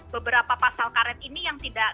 beberapa pasal karet ini yang tidak